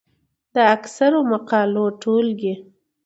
د اکثرو مقالو ټولګې،